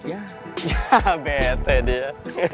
ya bete dia